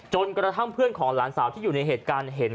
จนกระทั่งเพื่อนของหลานสาวที่อยู่ในเหตุการณ์เห็น